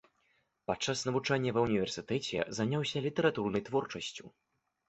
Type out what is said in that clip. Падчас навучання ва ўніверсітэце заняўся літаратурнай творчасцю.